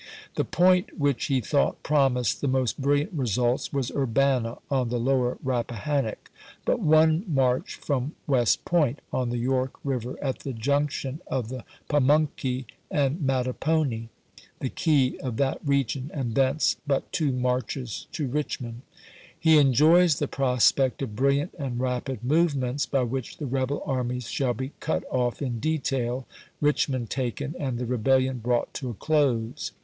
The point which he thought promised the most brilliant results was Urbana, on the lower Rappahannock; "but one march from West Point [on the York Eiver, at PLANS OF CAMPAIGN 163 the junction of the Pamunkey and Mattapony], chap. ix. the key of that region, and thence but two marches to Eichmond." He enjoys the prospect of brilliant and rapid movements, by which the rebel armies shall be cut off in detail, Eichmond taken, and the rebellion brought to a close.